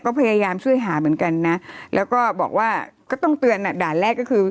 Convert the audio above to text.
ก็พยายามช่วยหาเหมือนกันนะแล้วก็บอกว่าก็ต้องเตือนอ่ะด่านแรกก็คือ